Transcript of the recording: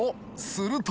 すると？